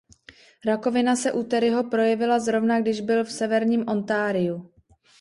Rakovina se u Terryho projevila zrovna když byl v Severním Ontariu.